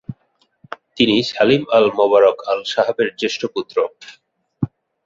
তিনি Salim Al Mubarak আল-সাবাহের জ্যেষ্ঠ পুত্র।